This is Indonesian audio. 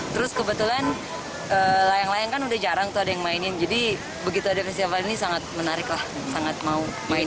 terus kebetulan layang layang kan udah jarang tuh ada yang mainin jadi begitu ada festival ini sangat menarik lah sangat mau main